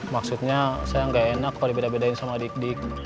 maksudnya sayang enggak enak kalau dibedain sama adik adik